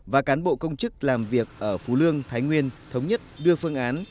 và cán bộ công chức làm việc ở phú lương thái nguyên thống nhất đưa phương án